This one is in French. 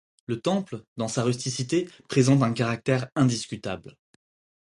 Le temple dans sa rusticité présente un caractère indiscutable.